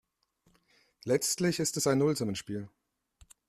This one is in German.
Letztlich ist es ein Nullsummenspiel.